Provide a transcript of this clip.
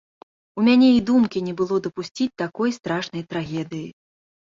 У мяне і думкі не было дапусціць такой страшнай трагедыі.